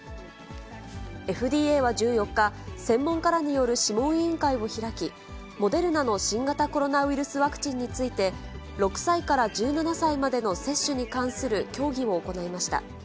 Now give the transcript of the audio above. ＦＤＡは１４日、専門家らによる諮問委員会を開き、モデルナの新型コロナウイルスワクチンについて、６歳から１７歳までの接種に関する協議を行いました。